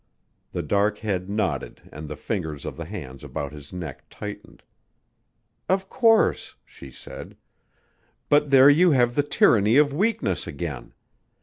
The dark head nodded and the fingers of the hands about his neck tightened. "Of course," she said. "But there you have the tyranny of weakness again.